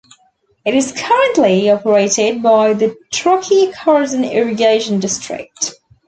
It is currently operated by the Truckee-Carson Irrigation District.